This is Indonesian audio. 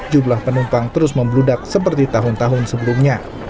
jumlah penumpang terus membludak seperti tahun tahun sebelumnya